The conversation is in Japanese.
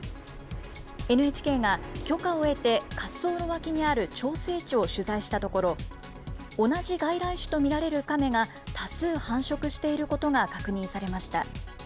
ＮＨＫが許可を得て、滑走路脇にある調整池を取材したところ、同じ外来種と見られるカメが多数繁殖していることが確認されました。